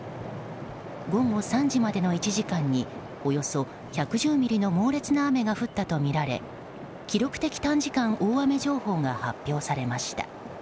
午後３時までの１時間におよそ１１０ミリの猛烈な雨が降ったとみられ記録的短時間大雨情報が発表されました。